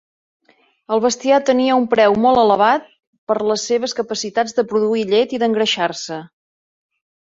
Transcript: El bestiar tenia un preu molt elevat per les seves capacitats de produir llet i d'engreixar-se.